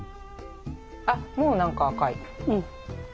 あっもう何か赤い。